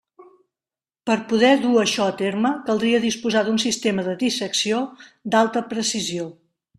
Per poder dur això a terme caldria disposar d'un sistema de dissecció d'alta precisió.